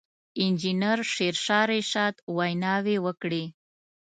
انجنیر شېرشاه رشاد ویناوې وکړې.